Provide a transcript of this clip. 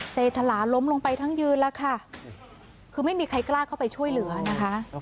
เสถลาล้มลงไปทั้งยืนแล้วค่ะคือไม่มีใครกล้าเข้าไปช่วยเหลือนะคะ